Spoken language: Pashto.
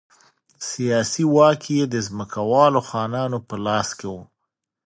سیاسي واک یې د ځمکوالو خانانو په لاس کې ورکاوه.